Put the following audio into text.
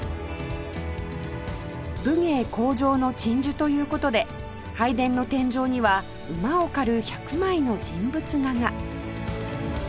武芸向上の鎮守という事で拝殿の天井には馬を駆る１００枚の人物画が